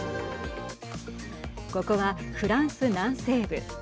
ここは、フランス南西部。